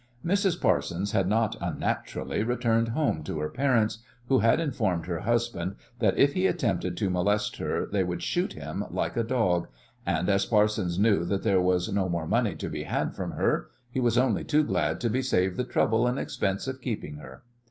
Mrs. Parsons had not unnaturally returned home to her parents, who had informed her husband that if he attempted to molest her they would shoot him like a dog, and, as Parsons knew that there was no more money to be had from her, he was only too glad to be saved the trouble and expense of keeping her.